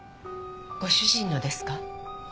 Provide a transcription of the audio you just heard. ご主人のですか？